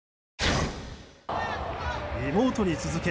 妹に続け。